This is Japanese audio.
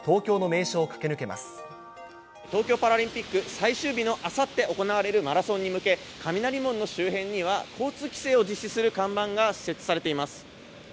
最終日のあさって行われるマラソンに向け、雷門の周辺には交通規制を実施する看板が設置されています。